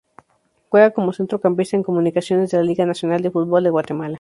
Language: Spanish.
Juega como centrocampista en Comunicaciones, de la Liga Nacional de Fútbol de Guatemala.